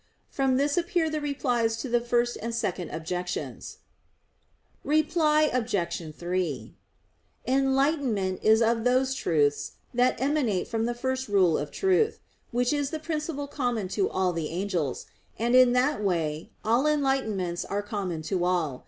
From this appear the replies to the first and second objections. Reply Obj. 3: Enlightenment is of those truths that emanate from the first rule of truth, which is the principle common to all the angels; and in that way all enlightenments are common to all.